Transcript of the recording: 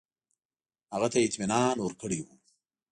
هغه ته یې اطمینان ورکړی وو.